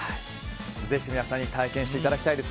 ぜひとも皆さんに体験していただきたいです。